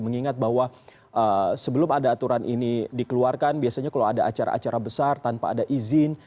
mengingat bahwa sebelum ada aturan ini dikeluarkan biasanya kalau ada acara acara besar tanpa ada izin